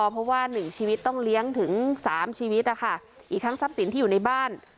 เพราะว่าหนึ่งชีวิตต้องเลี้ยงถึง๓ชีวิตนะคะอีกทั้งทรัพย์สินที่อยู่ในบ้าน